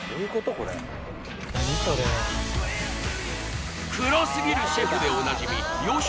これ何それ黒すぎるシェフでおなじみ洋食